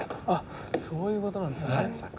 あそういうことなんですね。